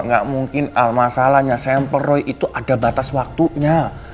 nggak mungkin masalahnya sampel roy itu ada batas waktunya